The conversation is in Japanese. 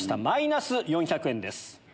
マイナス４００円です。